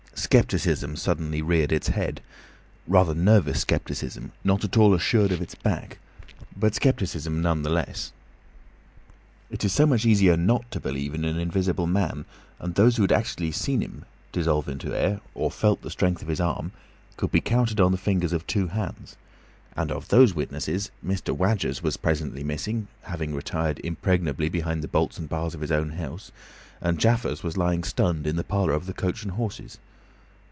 Scepticism suddenly reared its head—rather nervous scepticism, not at all assured of its back, but scepticism nevertheless. It is so much easier not to believe in an invisible man; and those who had actually seen him dissolve into air, or felt the strength of his arm, could be counted on the fingers of two hands. And of these witnesses Mr. Wadgers was presently missing, having retired impregnably behind the bolts and bars of his own house, and Jaffers was lying stunned in the parlour of the "Coach and Horses."